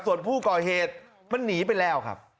ส่วนผู้ก่อเหตุมันหนีไปแล้วครับ